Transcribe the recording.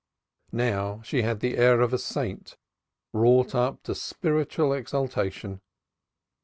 Now she had the air of a saint wrought up to spiritual exaltation.